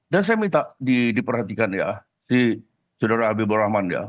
saya minta diperhatikan ya si saudara habibur rahman ya